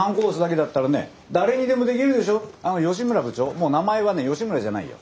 もう名前はね吉村じゃないよ